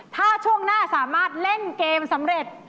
ถ้าช่วงหน้าสามารถเล่นเกมสำเร็จ